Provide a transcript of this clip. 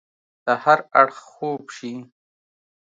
د هر اړخ خوب شي